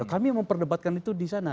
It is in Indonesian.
kami memperdebatkan itu di sana